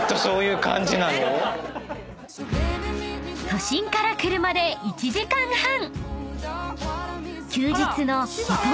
［都心から車で１時間半］